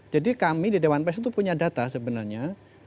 jadi kami di dewan pers itu punya data sebenarnya